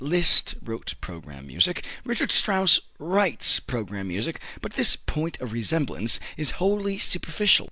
Liszt wrote program music. Richard Strauss writes program music. But this point of resemblance is wholly superficial.